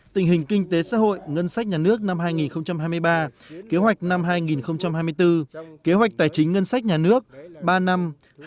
tình hình kinh tế xã hội ngân sách nhà nước năm hai nghìn hai mươi ba kế hoạch năm hai nghìn hai mươi bốn kế hoạch tài chính ngân sách nhà nước ba năm hai nghìn hai mươi một hai nghìn hai mươi năm